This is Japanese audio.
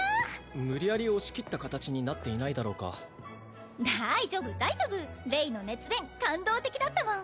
無理やり押し切った形になっていないだろうか大丈夫大丈夫レイの熱弁感動的だったもん